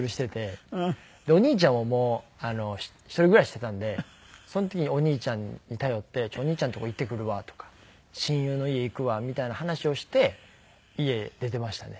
でお兄ちゃんはもう一人暮らししていたんでその時にお兄ちゃんに頼って「お兄ちゃんとこ行ってくるわ」とか「親友の家行くわ」みたいな話をして家出ていましたね。